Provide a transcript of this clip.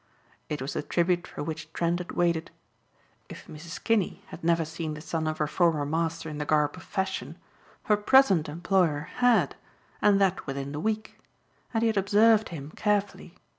It was the tribute for which Trent had waited. If Mrs. Kinney had never seen the son of her former master in the garb of fashion, her present employer had, and that within the week. And he had observed him carefully.